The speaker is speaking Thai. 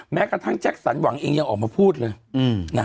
แม้กระทั่งแจ็คสันหวังเองยังออกมาพูดเลย